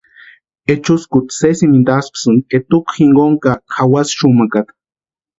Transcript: Echuskuta sésimintu asïpisïnti etukwa jinkoni ka kʼawasï xumakata.